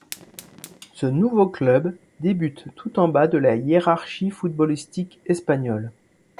Ce nouveau club débute tout en bas de la hiérarchie footballistique espagnole.